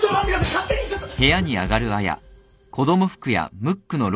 勝手にちょっと。